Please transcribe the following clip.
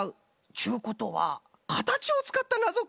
ちゅうことはかたちをつかったなぞか。